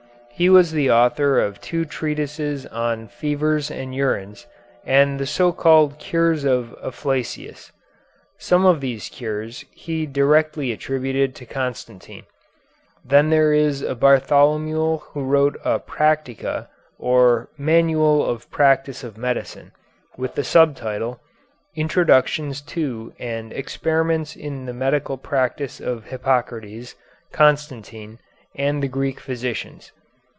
He was the author of two treatises on "Fevers and Urines," and the so called "Cures of Afflacius." Some of these cures he directly attributed to Constantine. Then there is a Bartholomew who wrote a "Practica," or "Manual of the Practice of Medicine," with the sub title, "Introductions to and Experiments in the Medical Practice of Hippocrates, Constantine, and the Greek Physicians."